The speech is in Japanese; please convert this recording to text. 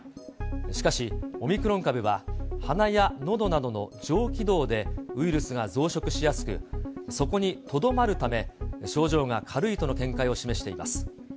しかし、オミクロン株は、鼻やのどなどの上気道でウイルスが増殖しやすく、そこにとどまるため、症状が軽いとの見解を示しています。